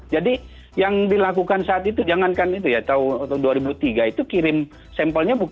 jadi yang dilakukan saat itu jangankan itu ya tahun dua ribu tiga itu kirim sampelnya bukan